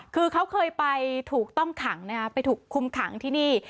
คือเขาเคยไปถูกต้องขังนะครับไปถูกคุมขังที่นี่